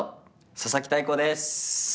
佐々木大光です。